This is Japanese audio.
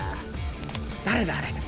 誰だあれ。